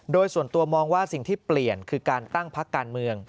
โดยส่วนตัวมองว่าสิ่งที่เปลี่ยนคือการตั้งพักการเมือง